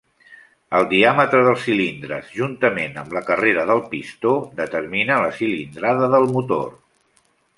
El diàmetre dels cilindres, juntament amb la carrera del pistó, determina la cilindrada del motor.